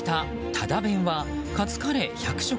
ただ弁はカツカレー１００食。